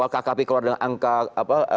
kkp keluar dengan angka